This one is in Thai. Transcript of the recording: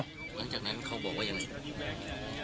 อันจากนั้นเขาบอกว่ายังไง